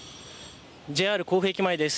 ＪＲ甲府駅前です。